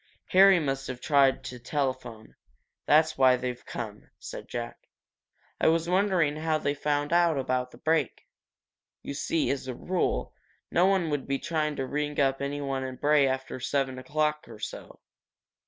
"Harry must have tried to telephone that's why they've come," said Jack. "I was wondering how they found out about the break. You see, as a rule, no one would try to ring up anyone in Bray after seven o'clock or so.